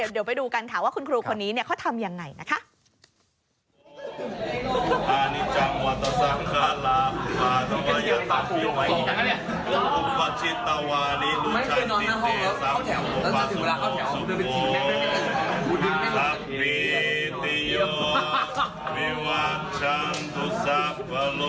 เดี๋ยวไปดูกันค่ะว่าคุณครูคนนี้เขาทำยังไงนะคะ